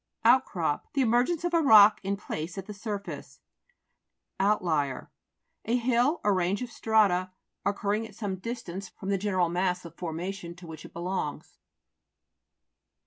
OUTCROP The emergence of a rock, in place, at the surface. OUTLIER A hill or range of strata occurring at some distance from the general mass 01 formation to which it belongs.